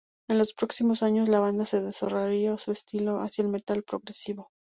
En los próximos años la banda se desarrollaría su estilo hacia el metal progresivo.